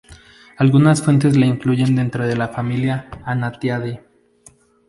Algunas fuentes la incluyen dentro de la familia Anatidae.